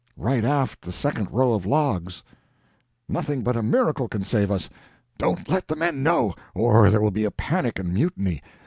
"Right aft the second row of logs." "Nothing but a miracle can save us! Don't let the men know, or there will be a panic and mutiny!